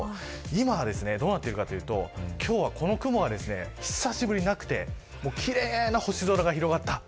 今はどうなっているかというと今日はこの雲は久しぶりになくて奇麗な星空が広がった。